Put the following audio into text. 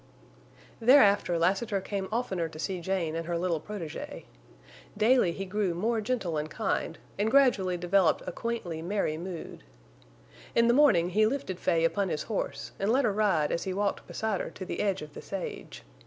Thereafter Lassiter came oftener to see Jane and her little protégée. Daily he grew more gentle and kind, and gradually developed a quaintly merry mood. In the morning he lifted Fay upon his horse and let her ride as he walked beside her to the edge of the sage.